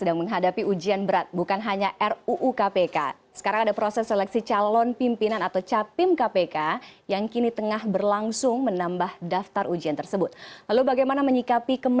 di meliputan cnn indonesia